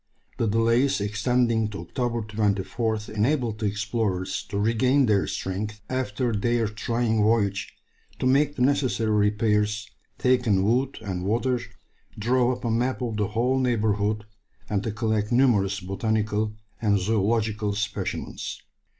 The delays extending to October 24th enabled the explorers to regain their strength, after their trying voyage, to make the necessary repairs, take in wood and water, draw up a map of the whole neighbourhood, and to collect numerous botanical and zoological specimens.